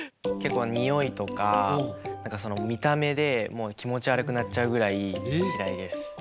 結構においとか何かその見た目でもう気持ち悪くなっちゃうぐらい嫌いです。